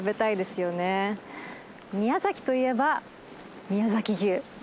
宮崎といえば宮崎牛。